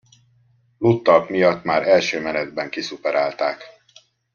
Lúdtalp miatt már első menetben kiszuperálták.